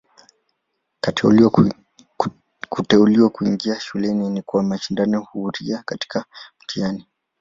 Kuteuliwa kuingia shuleni ni kwa mashindano huria katika mtihani.